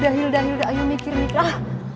dahil dahil dahil mikir nih